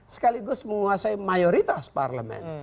sekaligus menguasai mayoritas parlemen